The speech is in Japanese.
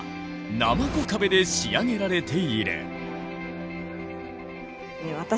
なまこ壁で仕上げられている。